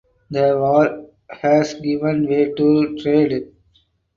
The war has given way to trade.